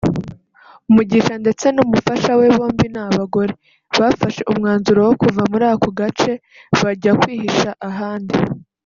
Mugisha ndetse n’umufasha we (bombi ni abagore) bafashe umwanzuro wo kuva muri ako gace bajya kwihisha ahandi